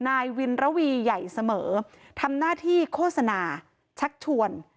นายวินระวีใหญ่เสมอทำหน้าที่โฆษณาชักชวน